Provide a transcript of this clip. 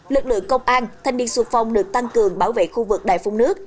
lực lượng công an thanh niên xu phong được tăng cường bảo vệ khu vực đài phun nước